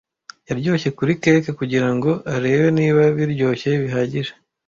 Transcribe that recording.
Yaryoshye kuri cake kugirango arebe niba biryoshye bihagije.